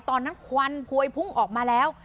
ตอนนั้นควันหวยพุ้งออกมาแล้ว